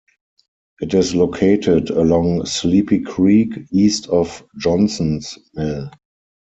It is located along Sleepy Creek east of Johnsons Mill.